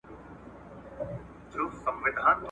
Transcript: نوش جان دي سه زما غوښي نوشوه یې ..